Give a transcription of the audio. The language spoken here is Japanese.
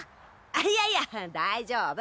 いやいや大丈夫。